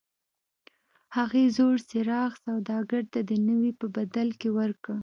هغې زوړ څراغ سوداګر ته د نوي په بدل کې ورکړ.